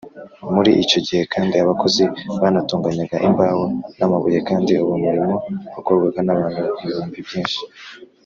muri icyo gihe kandi abakozi banatunganyaga imbaho n’amabuye, kandi uwo murimo wakorwaga n’abantu ibihumbi byinshi.